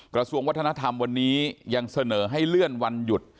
กระทรวงวัฒนธรรมวันนี้ยังเสนอให้เลื่อนวันหยุด